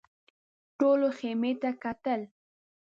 ټولو خيمې ته کتل.